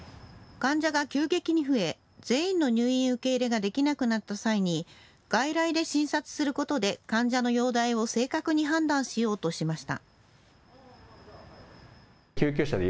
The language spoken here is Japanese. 患者が急激に増え、全員の入院受け入れができなくなった際に外来で診察することで患者の容体を正確に判断しようとしました。